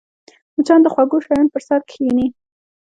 مچان د خوږو شیانو پر سر کښېني